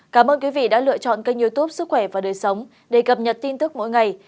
cảm ơn quý vị đã lựa chọn kênh youtube sức khỏe và đời sống để cập nhật tin tức mỗi ngày